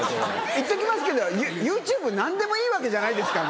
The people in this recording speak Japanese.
言っときますけどＹｏｕＴｕｂｅ何でもいいわけじゃないですから。